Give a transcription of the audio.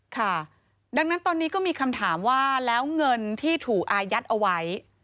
ค่ะดังนั้นตอนนี้ก็มีคำถามว่าแล้วเงินที่ถูกอายัดเอาไว้